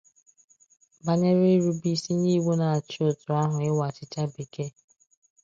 banyere irube isi nye iwu na-achị òtù ahụ ịwa achịcha bekee